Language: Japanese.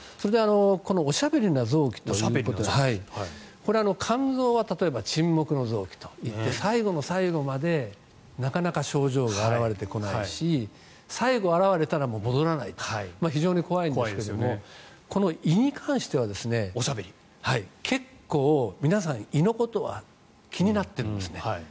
おしゃべりな臓器ということでこれは肝臓は例えば沈黙の臓器といって最後の最後までなかなか症状が表れてこないし最後表れたらもう戻らないという非常に怖いですけども胃に関しては結構皆さん、胃のことは気になってるんですね。